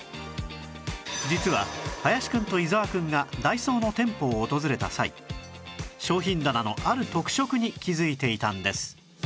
実は林くんと伊沢くんがダイソーの店舗を訪れた際商品棚のある特色に気づいていたんです